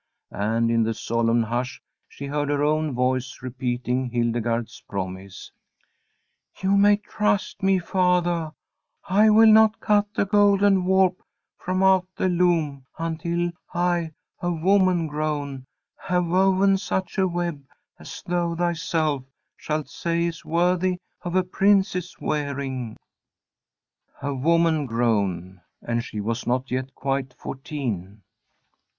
And in the solemn hush she heard her own voice repeating Hildegarde's promise: "_You may trust me, fathah, I will not cut the golden warp from out the loom until I, a woman grown, have woven such a web as thou thyself shalt say is worthy of a prince's wearing!_" A woman grown! And she was not yet quite fourteen!